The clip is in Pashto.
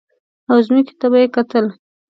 او ځمکې ته به یې کتل.